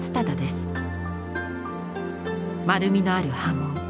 丸みのある刃文。